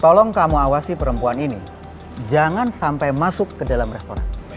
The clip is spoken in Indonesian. tolong kamu awasi perempuan ini jangan sampai masuk ke dalam restoran